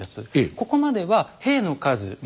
ここまでは兵の数ま